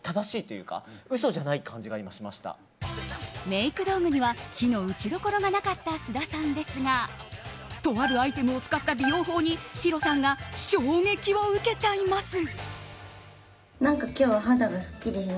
メイク道具には非の打ちどころがなかった須田さんですがとあるアイテムを使った美容法にヒロさんが衝撃を受けちゃいます。